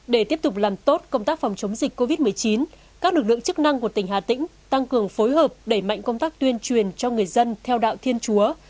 để tiếp tục làm tốt công tác phòng chống dịch covid một mươi chín các lực lượng chức năng của tỉnh hà tĩnh tăng cường phối hợp đẩy mạnh công tác tuyên truyền cho người dân theo đạo thiên chúa